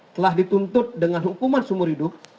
telah dituntut dengan hukuman seumur hidup